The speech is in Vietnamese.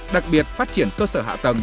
đặc biệt phát triển cơ sở hạ tầng